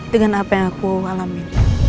dengan apa yang aku alami